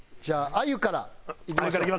あゆからいきましょう。